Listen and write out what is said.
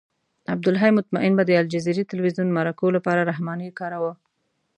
عبدالحی مطمئن به د الجزیرې تلویزیون مرکو لپاره رحماني کاراوه.